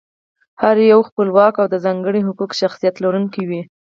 هر یو یې خپلواک او د ځانګړي حقوقي شخصیت لرونکی وي.